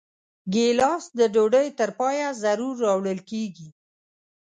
ګیلاس د ډوډۍ تر پایه ضرور راوړل کېږي.